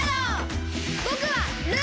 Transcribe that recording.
ぼくはルーナ！